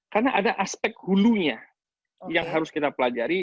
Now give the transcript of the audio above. karena ada aspek hulunya yang harus kita pelajari